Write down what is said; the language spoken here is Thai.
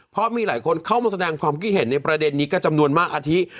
เพราะมีหลายคนเข้ามาแสดงความคิดเห็นในประเด็นนี้ก็จำนวนมากอาทิ